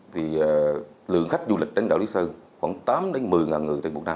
thì lượng khách du lịch đến đảo lý sơn khoảng tám một mươi